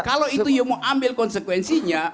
kalau itu ya mau ambil konsekuensinya